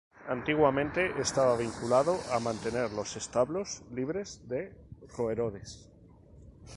Antiguamente estaba vinculado a mantener los establos libres de roedores.